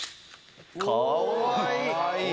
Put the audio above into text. かわいい！